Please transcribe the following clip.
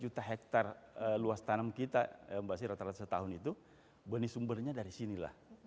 jadi kalau kita lihat luas tanam kita mbak desy seratus tahun itu benih sumbernya dari sinilah